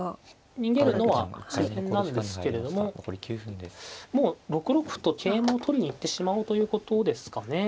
逃げるのは自然なんですけれどももう６六歩と桂馬を取りに行ってしまおうということですかね。